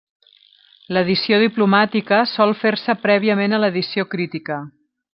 L'edició diplomàtica sol fer-se prèviament a l'edició crítica.